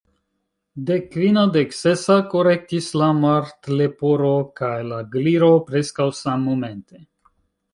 "Dekkvina," "Deksesa," korektis la Martleporo kaj la Gliro, preskaŭ sammomente.